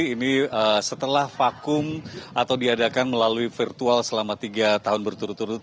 ini setelah vakum atau diadakan melalui virtual selama tiga tahun berturut turut